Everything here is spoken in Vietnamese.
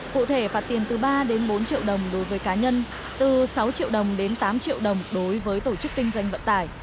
cụ thể phạt tiền từ ba đến bốn triệu đồng đối với cá nhân từ sáu triệu đồng đến tám triệu đồng đối với tổ chức kinh doanh vận tải